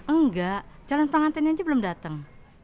enggak jalan pengantinnya aja belum dateng